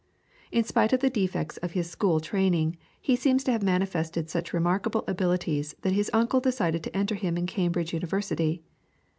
In spite of the defects of his school training he seems to have manifested such remarkable abilities that his uncle decided to enter him in Cambridge University.